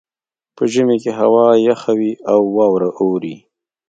په ژمي کې هوا یخه وي او واوره اوري